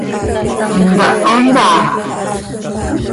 ¿Intaho ntá?